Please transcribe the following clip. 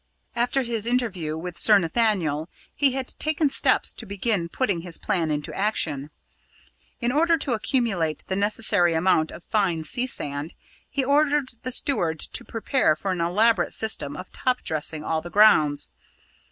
After his interview with Sir Nathaniel, he had taken steps to begin putting his plan into action. In order to accumulate the necessary amount of fine sea sand, he ordered the steward to prepare for an elaborate system of top dressing all the grounds.